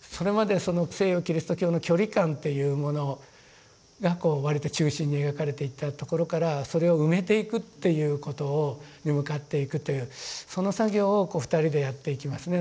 それまでその西洋キリスト教の距離感というものが割と中心に描かれていたところからそれを埋めていくっていうことに向かっていくというその作業をこう２人でやっていきますね。